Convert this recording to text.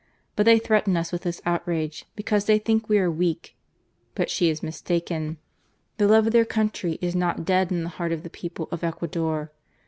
But they threaten us with this outrage because they think we are weak. But she is mistaken. The love of their country is not dead in the heart of the people of Ecuador.